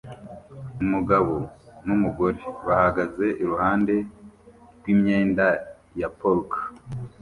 Umugabo numugore bahagaze iruhande rwimyenda ya polka